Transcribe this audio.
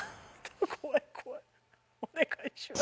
お願いします。